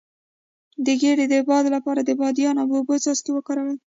د ګیډې د باد لپاره د بادیان او اوبو څاڅکي وکاروئ